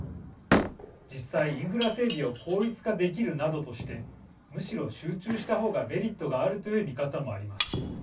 実際、インフラ整備を効率化できるなどとしてむしろ集中した方がメリットがあるという見方もあります。